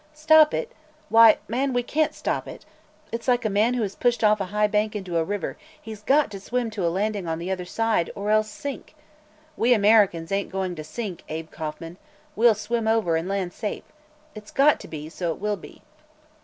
Stop it? Why, man, we can't stop it. It's like a man who is pushed off a high bank into a river; he's got to swim to a landing on the other side, or else sink. We Americans ain't goin' to sink, Abe Kauffman; we'll swim over, and land safe. It's got to be; so it will be."